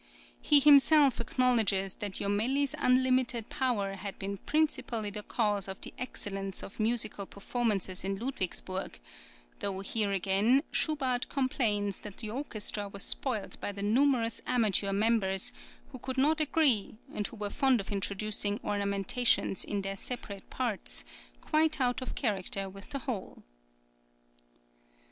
He himself acknowledges that Jomelli's unlimited power had been principally the cause of the excellence of musical performances in Ludwigsburg; though here again, Schubart complains that the orchestra was spoilt by the numerous amateur members who could not agree, and who were fond of introducing ornamentations in their separate parts, quite out of character with the whole.